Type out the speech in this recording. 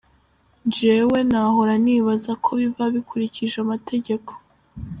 "Jewe nahora nibaza ko biba bikurikije amategeko.